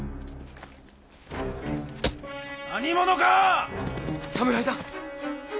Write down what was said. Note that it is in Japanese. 何者か⁉侍だ。